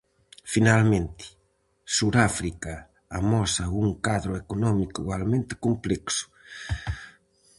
Finalmente, Suráfrica amosa un cadro económico igualmente complexo.